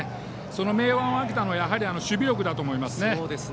その明暗を分けたのは守備力だと思いますね。